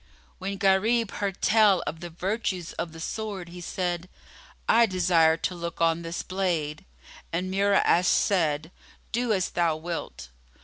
When Gharib heard tell of the virtues of the sword, he said, "I desire to look on this blade;" and Mura'ash said, "Do as thou wilt."